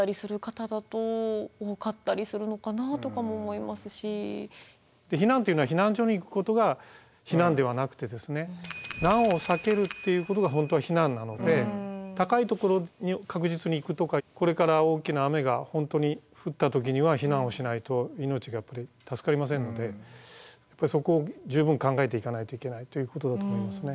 今まで大丈夫だったからきっと避難というのは避難所に行くことが避難ではなくて難を避けるっていうことが本当は避難なので高いところに確実に行くとかこれから大きな雨が本当に降った時には避難をしないと命がやっぱり助かりませんのでそこを十分考えていかないといけないということだと思いますね。